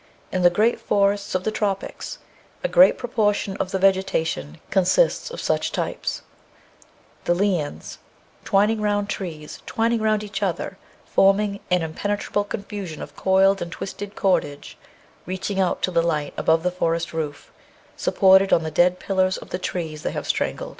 In the great forests of the Tropics a great proportion of the vegetation con sists of such types the lianes twining round trees, twining round each other, forming an impenetrable confusion of coiled and twisted cordage, reaching out to the light above the forest roof, supported on the dead pillars of trees they have strangled.